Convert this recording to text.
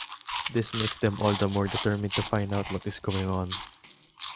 This makes them all the more determined to find out what is going on.